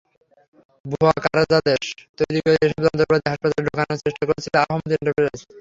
ভুয়া কার্যাদেশ তৈরি করে এসব যন্ত্রপাতি হাসপাতালে ঢোকানোর চেষ্টা করেছিল আহমেদ এন্টারপ্রাইজ।